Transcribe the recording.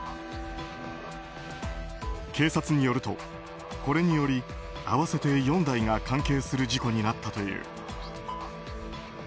警察によると、これにより合わせて４台が関係する事故になったという。